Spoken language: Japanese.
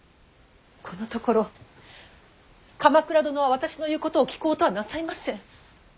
このところ鎌倉殿は私の言うことを聞こうとはなさいません。